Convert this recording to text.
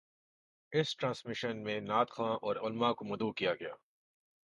اس transmission میں نعت خواں اور علمأ کو مدعو کیا گیا